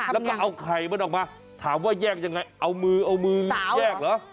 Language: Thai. แล้วก็เอาไข่มันออกมาถามว่าแยกยังไงเอามือเอามือแยกเหรอ